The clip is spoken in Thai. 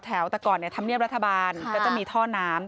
แต่ก่อนธรรมเนียบรัฐบาลก็จะมีท่อน้ำ